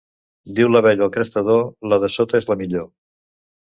Diu l'abella al crestador: la de sota és la millor.